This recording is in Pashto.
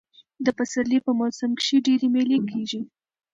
د پسرلي په موسم کښي ډېرئ مېلې کېږي.